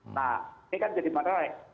nah ini kan jadi menarik